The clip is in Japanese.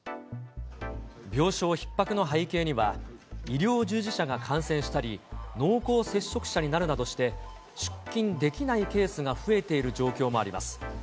病床ひっ迫の背景には、医療従事者が感染したり、濃厚接触者になるなどして、出勤できないケースが増えている状況もあります。